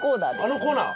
あのコーナー！